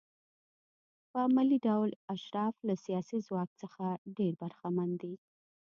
په عملي ډول اشراف له سیاسي ځواک څخه ډېر برخمن دي.